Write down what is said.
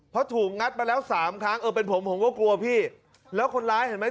เพราะถูกงัดมาแล้วสามครั้งเออเป็นผมผมก็กลัวพี่แล้วคนร้ายเห็นไหม